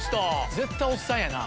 絶対おっさんやな。